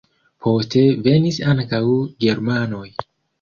Poste venis ankaŭ germanoj.